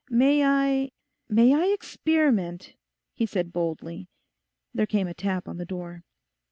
'May I, may I experiment?' he said boldly. There came a tap on the door.